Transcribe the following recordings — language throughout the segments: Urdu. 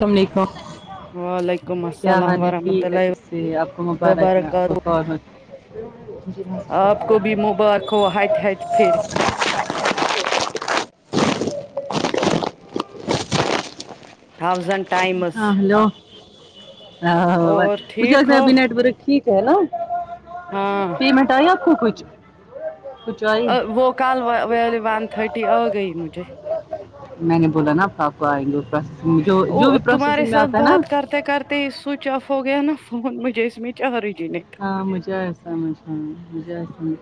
تم ٹھیک ہو وعلیکم کیا السلام حال ہے ورحمۃ ٹھیک ہے جس اللہ سے آپ کو مبارک ہاں آپ کو وبرکاتہ آپ کو بھی مبارک ہو ہٹ ہٹ پھر [inaudible] تھاؤزنڈ ٹائمس ہاو وس اور مجھے ٹھیک ہو بینڈ بھی رکھی ہے نا ہاں پیمنٹ آئی آپ کو کچھ کچھ آئی وہ کل وا والی وان تھرٹی آ گئی مجھے میں نے بولا نا آپ کو آپ کو ائینگے جو بھی پروسیسنگ میں جو یو وی تمہارے پروسیسنگ ساتھ آتا ہے نا بات کرتے کرتے ہی سوئچ آف ہو گیا نا فون مجھے اس میں چارج ہی نہیں ہاں مجھے آیا سمجھ میں مجھے آیا سمجھ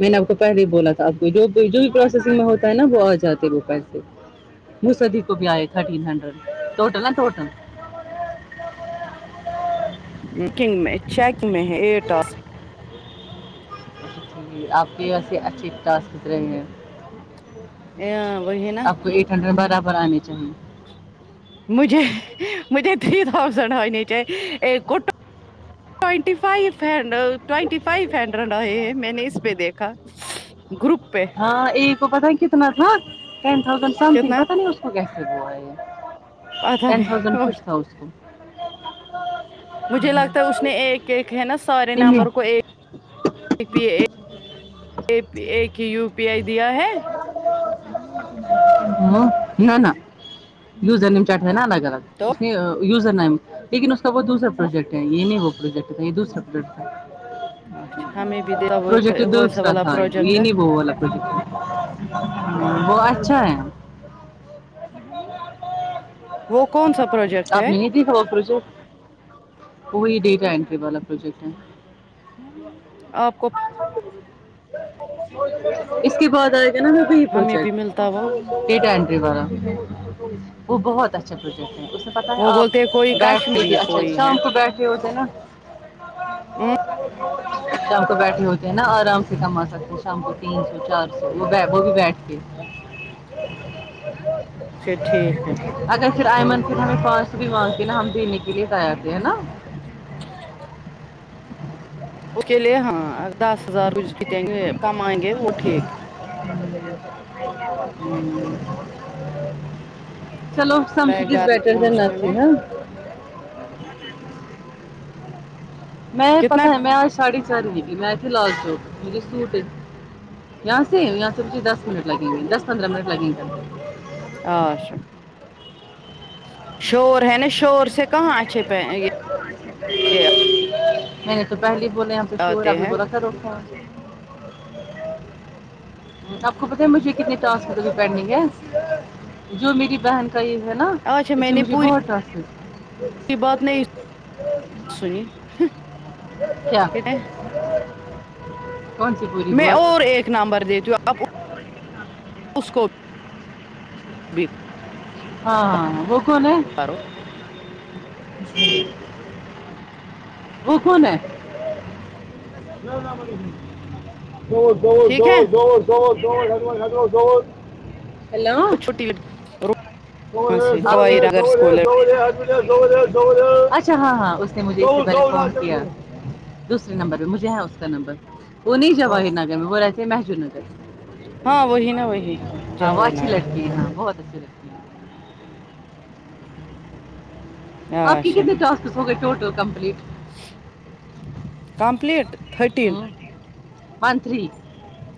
میں نے آپ کو پہلے ہی بولا تھا آپ کو جو جو بھی پروسیسنگ میں ہوتا ہے نا وہ آ جاتے وہ پیسے مصدیق کو بھی آئے تھرٹین ہنڈریڈ ٹوٹل نا ٹوٹل میکنگ میں چیک میں ہے یہ ٹاسک جی آپ کی ویسے اچھی ٹاسک دیکھ رہے ہیں وہی نا آپ کو ایٹ ہنڈریڈ برابر آنے چاہیے مجھے مجھے تھری تھاؤزینڈ آنے چاہیے ایک کو ٹ ونٹی five hundred twenty five hundred آئے ہیں میں نے اس پہ دیکھا گروپ پہ آے تو پتا کتنا تھا ٹین تھاؤزینڈ سم تھنگ کتنا پتہ نہیں ا اس کو کیسے ہوا ہے یہ پتا ٹین نہیں تھاؤزینڈ کچھ ہوگا، تھا اس کو مجھے لگتا ہے اس نے ایک ایک ہے نا سارے نمبر کو ہاں ایک پہ اے اے پی ایک ہی یو پی آئی دیا ہے ہوں نہ نہ یزر نیم کٹ ہے نا الگ الگ تو اس یزر نیم لیکن اس کا وہ دوسرا پروجیکٹ ہے یہ نہیں وہ پروجیکٹ ہے یہ دوسرا پروجیکٹ ہے اچھا ہمیں بھی دیتا وہ پروجیکٹ یہ ویسا دوسرا والا تھا پروجیکٹ یہ ہے نہیں وہ والا وہ اچھا ہے وہ کون سا پروجیکٹ آپ ہے نے نہیں دی تھا وہ پروجیکٹ وہی ڈیٹا انٹری والا پروجیکٹ ہے آپ کو معل اس کے بعد آئے گا نا وہی ہمیں بھی پروجیکٹ ملتا ہوا ڈیٹا اینٹری کرو وہ بہت اچھ اچھا اسے پتہ ہے وہ آپ بولتے ہیں کوئی بیٹھ کے بھی کشمیری اچھا کوئی شام کو بیٹھ کے ہوتے نا امم شام کو بیٹھے ہوتے ہیں نا آرام سے مطلب کی شام کو تین سو چار سو وہ وے بھو بھی بیٹھ کے پھر ٹھیک ہے اگر پھر آئمن پھر ہمیں فاسٹ بھی مانگتے نا ہم دینے کے لیے آتے ہیں نا اس کے لیے ہاں دس ہزار کمائیں گے وہ بھی ٹھیک ہے امم چالو ہے سمتھینگ اس گھر بیٹر دین پہنچنے میں ناتھینگ ہاں میں کتنا پتہ ہے میں آج ساڑی چاہ رہی تھی میں تھی لال چوک مجھے سوٹ ہے یہاں سے یہاں سے مجھے دس منٹ لگیں گے دس پندرہ منٹ لگیں گے آ شو شور ہے نا شور سے کہاں اچھے پہ یہ نہیں میں نے تو پہلے بولے یہ پہ شور آتے ابھی ہیں بولا تھا روکا آپ کو پتہ ہے مجھے کتنی ٹاسک پینڈنگ ہے جو میری بہن صحیح ہے نا اچھا اس میں نے مجھے پوری بہت ٹاسک ہے کی بات نہیں سنی کیا ٹھیک ہے کون سی پوری میں اور بہت ایک نمبر دیتی ہوں آپکو اس کو بھی بی ہاں وہ کون ہے کرو وہ کون ہے دور دور ٹھیک ہے دور دور دوت دوت ہ وہ ہڈ دوت [unintelligible] کو چھوٹی کرو [unintelligible] اچھا ہاں ہاں اس نے مجھے اسی بارے فون کیا دوسرے نمبر پہ مجھے ہے اس کا نمبر وہ نہیں جواہر نگر میں وہ رہتے ہیں محجور نگر ہاں وہی نا وہی ہاں وہ جوائی اچھی نگر لگتی ہے ہاں بہت اچھی لگتی آپ کے اچھا کتنے ٹاسکس ہو گئے total complete complete thirteen one three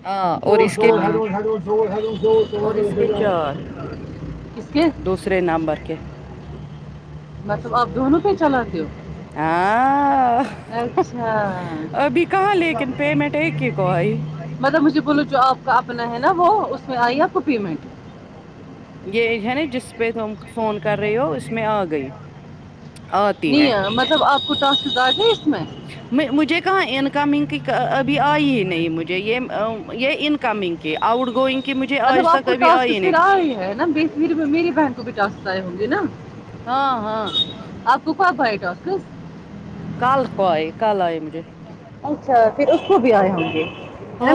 ہاں چ اور اس کے زور ہڈو ہڈ زور ہڈ اور اس کے زور چار [unintelligible] کس دوسرے نامبر کے مطلب آپ دونوں پہ چلاتے ہو آ اچھا لیکن پیمنٹ ایک ہی کو آئی مطلب مجھے بولو جو آپ کا اپنا ہے نا وہ ا اس میں آئی آپ کو پیمنٹ یہ ہے نا جس پہ تم فون کر رہی ہو اس میں آ گئی آتی ہے نہیں مطلب آپ کو ٹاسکس آگئے اس میں م مجھے کہاں انکمنگ کی ک ابھی آئی ہی نہیں مجھے یہ ا یہ انکمنگ کے آؤٹ گوئنگ کی مجھے مطلب آج آپ تک کو ابھی آئی ہی ٹاسکس نہیں آ رہے ہے نا میری میری بہن کو بھی ٹاسک آئے ہوں گے نا ہاں ہاں تو کب ائے گا اس کال اس کو آئی کل آئی مجھے اچھا پھر اس کو بھی آئے ہوں گے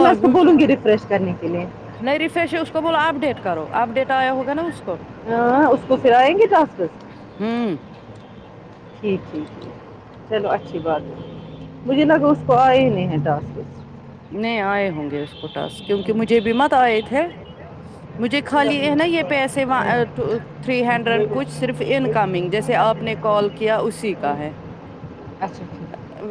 میں اس کو بولوں گی ریفریش کرنے کے لیے نہیں ریفریش ہے اس کو بولو اب ڈیٹ کرو اب ڈیٹ آیا ہوگا نا اس کو ہاں اس کو پھر ائیں گے ٹاسکس ہوں ٹھیک ٹھیک ہے چلو اچھی بات ہے مجھے لگا اس کو آے ہی نہیں ہے ٹاسکس نئے آئے ہوں گے اس کو ٹاسک کیونکہ مجھے بھی مت آئے تھے مجھے خالی ہے نا یہ پیسے وان ٹو تھری ہنڈریڈ کچھ صرف ان کمنگ جیسے آپ نے کال کیا اسی کا ہے اچھا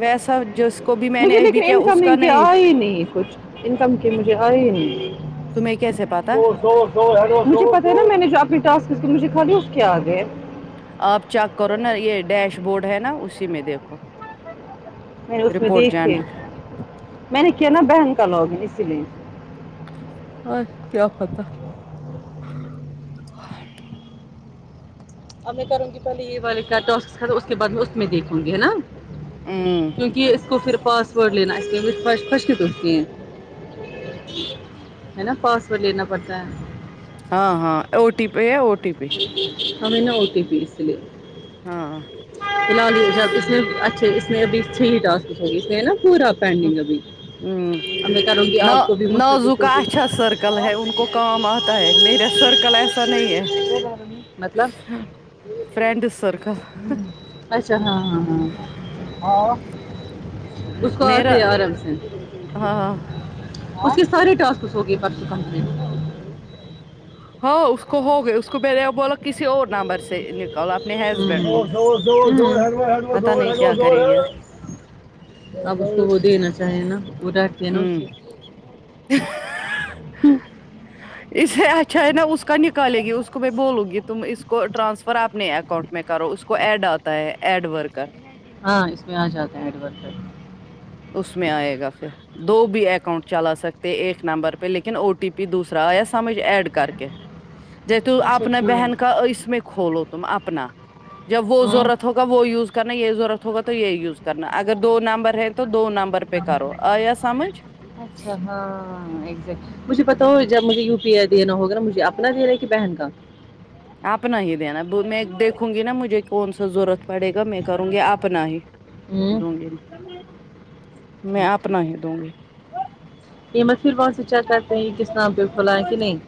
ویسا جس کو بھی میں مجھے نے لیکن ابھی کیا اس کا انکمنگ کے نہیں آئے ہی نہیں کچھ انکمگ کے مجھے آے ہی نہیں تمہیں کیسے پتا مجھے پتہ ہے نا میں نے جو اپنے ٹاسک کئے مجھے خالی اس کے آ گئے آپ چیک کرو نا یہ ڈیش بورڈ ہے نا اسی میں دیکھو میں نے اس میں رپورٹ دیکھے جنر میں نے کیا نا بہن کا لاگن اسی لیے اور کیا پتہ اب میں کروں گی پہلی یہ والے کا ٹاسک ختم اس کے بعد میں اس میں دیکھوں گی ہے نا ہوں کیونکہ اس کو پھر پاسورڈ لینا اسش شروع جی ہے نا پاسورڈ لینا پڑتا ہے ہاں ہاں او ٹی پی ہے او ٹی پی ہمیں نہ اؤ ٹی پیز فی ہاں الحال یہ ہے اب اس میں اچھے اس میں ابھی ٹاسک ہے صحیح سے ہے نا پورا پنڈیگ ابھی ہوں اور میں کروں گی نا آپ کو بھی نازو مسدیق کو کا بھی اچھا سرکل ہے ان کو کام آتا ہے میرا سرکل ایسا نہیں [inaudible] ہے مطلب فرینڈ سرکل ہوں اچھا ہاں ہاں ہاں ہاں اس کو آتے میرا ہیں آرام سے ہاں اس کے سارے ٹاسکس ہو گئے پرسوں کمپلیٹ ہاں اس کو ہوگیا اس کو پہلے بولا کسی اور نمبر سے نک ہوں پتا نہیں کیا کرے گی اب ہوں اب اس کو وہ دینا چاہے نا وہ ڈرتی ہے نا اس سے ہ اسے اچھا ہے نا اس کا نکالے گی اس کو میں بولوں گی تم اس کو ٹرانسفر اپنے اکاؤنٹ میں کرو اس کو ایڈ آتا ہے ایڈ ورکر ہاں اس میں آ جاتے ہیں ایڈ ورکر اس میں آئے گا پھر دو بھی اکاؤنٹ چلا سکتے ایک نمبر پہ لیکن او ٹی پی دوسرا ایس یم ایس ایڈ کر کے جی تو اچھا اپنا بہن کا ٹھیک اس میں کھولو تم اپنا جب وہ ہاں ضرورت ہو تب وہ یوز کرنا یہ ضرورت ہوگا تو یہ یوز کرنا اگر دو نمبر ہے تو دو نمبر پے کرو آیا سمجھ اچھا ہاں ہاں یکزٹ مجھے پتا ہو جب مجھے یو پی آئی دینا ہوگا نا مجھے اپنا دینا ہے کہ بہن کا اپنا ہی دینا میں دیکھوں گی نا مجھے کون سا ضرورت پڑے گا میں کروں گی اپنا ہی ہوں دوں گی میں ٹھیک اپنا ٹھیک ہی دوں گی یہ مت پھر وہاں سے چیک کرتے ہیں کہ کس نام پہ کھلائیں کہ نہیں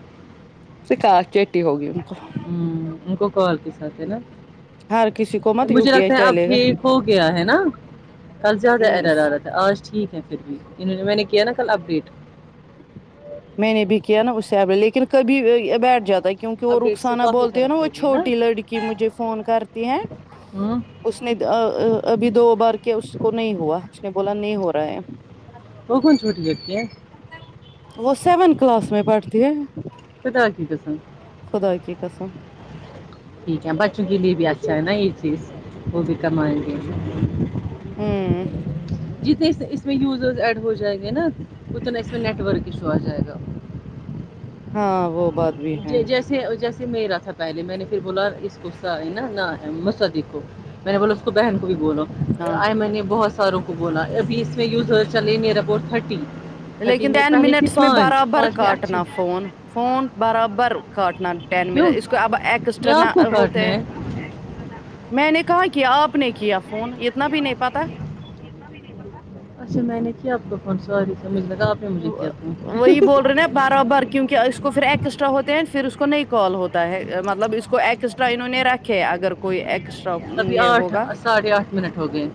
سکا کیٹی ہوگی ان کو ہوں ان کو کال کے ساتھ ہے نا ہر کسی کو مت یو مجھے پی آئی لگتا ہے اب چلے گا ٹھیک ہو گیا ہے نا کل زیادہ ایرر آ رہا تھا آج ٹھیک ہے پھر بھی انہوں نے میں نے کیا نا کل اب ڈیٹ میں نے بھی کیا نا اسے اب لیکن کبھی بیٹھ جاتا ہے کیونکہ وہ اپڈیٹ سے رخسانہ کافی بولتی ہے نا فرق وہ ہو گیا چھوٹی لڑکی مجھے فون کرتی ہے ہوں اس نے ا ا ابھی دو بار کیا اس کو نہیں ہوا اس نے بولا نہیں ہو رہا ہے کو کون چھوٹی بچی ہے وہ سیونت کلاس میں پڑھتی ہے خدا کی قسم خدا کے قسم ٹھیک ہے بچوں کے لیے بھی اچھا ہے نا یہ چیز وہ بھی کمائیں گے ہوں جتنے اس میں یوزرز ایڈ ہو جائیں گے نا اتنا اس میں نیٹ ورک ایشو آ جائے گا ہاں وہ بات بھی ہے جی جس سے جیسے میرا تھا پہلے میں نے پھر بولا اس کو سینہ نا نہ ہے مصدق کو میں نے بولا تو بہن کو بھی بولو ہاں آئے میں نے بہت ساروں کو بولا ابھی اس میں یزر چلے نئر اباؤٹ تھرٹی تھرٹی لیکن میں ٹین پہلے تھی منٹس میں پانچ برابر پانچ میں اچھے کاٹنا فون فون برابر کاٹنا ٹین منٹ کیوں اس کو اب ایکسٹرا کیا آپ نہ کو کاٹنا ہوتے ہے میں نے کہاں کیا آپ نے کیا فون اتنا بھی نہیں پتا اچھا میں نے کیا آپ کو فون سوری مجھے لگا آپ نے مجھے وا کیا فون وہی بول رہے نہ اب برابر کیونکہ اس کو پھر ایکسٹرا ہوتے ہیں پھر اس کو نئی کال ہوتا ہے مطلب اس کو ایکس ٹرا انہوں نے رکھے اگر کوئی ایکسٹرا ابھی یہ آٹھ ہوگا ساڑھے آٹھ منٹ ہو گئے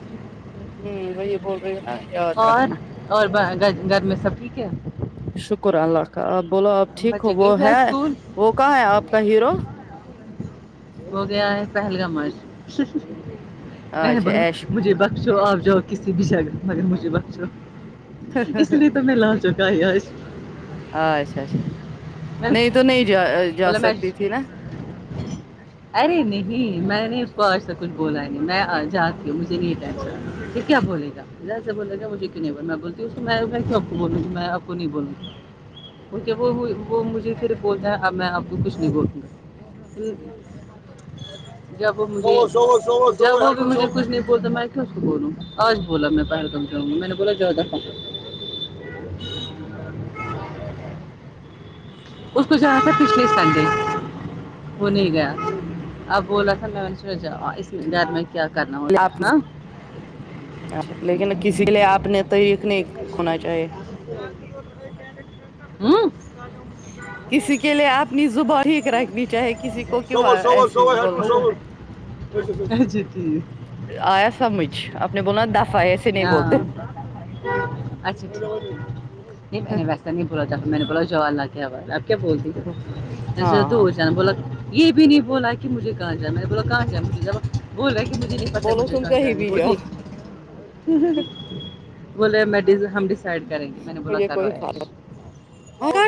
ہوں وہی بول رہی ہیں نا یاد اور رکھنا اور ب گر گھر میں سب ٹھیک ہے شکر اللہ کا آپ بولو آپ ٹھیک بچے ہو گئے وہ تھے ہے اسکول وہ کہاں ہے آپ کا ہیرو وہ گیا ہے پہلگامچ میں نے اچھا بولا ایش مجھے بس آپ جاؤ کسی بھی جگہ مگر مجھے بخشو اس لیے تو میں لا چک [unintelligible] اچھا اچھا نہیں تو نہیں جا ا مطلب میچ ارے نہیں میں نے اس کو آج تک کچھ بولا نہیں میں جاتی ہوں مجھے نہیں ٹینشن کیا بولے گا جیسے بولے گا مجھے نہیں بول میں بولتی ہوں میں آ پکو بولوں گی میں آپ کو نہیں بولوں گی کیوں کے وہ مجھے وہ مجھے پھر بولتا اب میں آپ کو کچھ نہیں بولو گی جب وہ مجھے سو سوسو جب وہ مجھے کچھ نہیں بولتا میں کی اس سے بولوں آج بولا میں پہلم جاؤں گا میں نے بولا زیادہ اس کو جا نا تھا کچھ دیر پہلے وہ نہیں گیا اب بولا تھا میں اس میں جاؤ گھر میں کیا کرنا ہوتا ہے آپ ہاں اچھا لیکن کسی کے لیے آپ نے طریقہ نہیں کھونا چاہیے امم ہاں کسی کے لیے اپنی زبان ایک رکھنی چاہے کسی کو کیوں سوور سوور ایسی سوور ہیڈ بول امم آیا سمجھ آپ نے بولا دفا ایسے نہیں ہاں بولتے اچھا ٹھیک نئی میں نے ویسے نہیں بولا تھا میں نے بولا جاو اللہ کے حوالے آپ کیا بولتی ہو ہاں ایسے تو ہاں ہو جانا بولا یہ بھی نہیں بولا کہ مجھے کہاں جانامطلب کہا جانا بولا کہ مجھے پ مےاں بولو تم کہیں بھی جاؤ ج بے [unintelligible] سایںڈ کریں گے میں نے بولا مجھے کرو کوئی عیش فائدہ